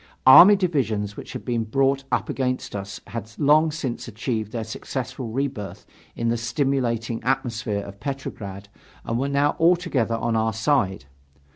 Army divisions which had been brought up against us had long since achieved their successful rebirth in the stimulating atmosphere of Petrograd and were now altogether on our side.